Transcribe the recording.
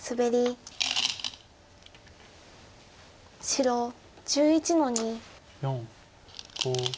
白１１の二。